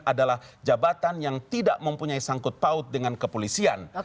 adalah jabatan yang tidak mempunyai sangkut paut dengan kepolisian